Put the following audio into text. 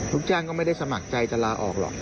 ลูกจ้างก็ไม่ได้สมัครใจจะลาออกหรอก